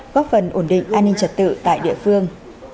góp phần ổn định an ninh trật tự tại địa phương